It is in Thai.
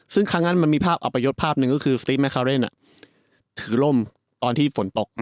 ซึ่งครั้งนั้นมันมีภาพอัปยศพภาพหนึ่งก็คือสตรีฟแมคาเรนถือล่มตอนที่ฝนตก